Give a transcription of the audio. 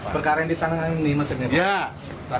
perkara yang ditangkap ini mas sir